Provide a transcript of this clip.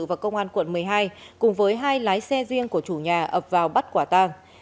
và công an quận một mươi hai cùng với hai lái xe riêng của chủ nhà ập vào bắt quả tang